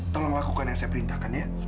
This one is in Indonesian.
tolong lakukan yang saya perintahkan ya